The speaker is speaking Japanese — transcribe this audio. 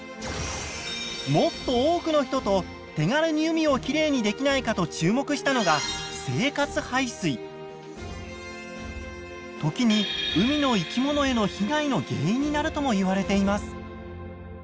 もっと多くの人と手軽に海をきれいにできないかと注目したのが時に海の生き物への被害の原因になるとも言われています。